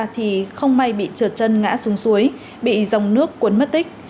thì không may bị trượt chân ngã xuống suối bị dòng nước cuốn mất tích